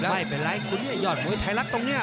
ไม่เป็นไรคุณไอ้ยอดมวยไทยรัฐตรงนี้